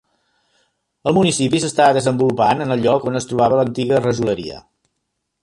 El municipi s'està desenvolupant en el lloc on es trobava l'antiga rajoleria.